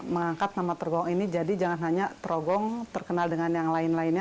mengangkat nama trogong ini jadi jangan hanya terogong terkenal dengan yang lain lainnya